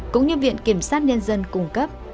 cũng như viện kiểm sát nhân dân cung cấp